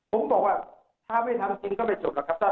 ผมบอกว่าถ้าไม่ทำจริงก็ไม่จบหรอกครับ